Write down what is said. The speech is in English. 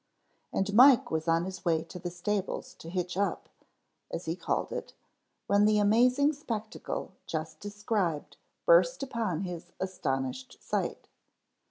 And Mike was on his way to the stables to hitch up, as he called it, when the amazing spectacle just described burst upon his astonished sight.